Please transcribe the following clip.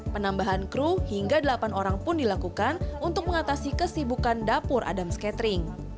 penambahan kru hingga delapan orang pun dilakukan untuk mengatasi kesibukan dapur adams catering